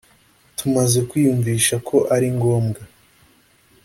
tumaze kwiyunvisha ko ari ngombwa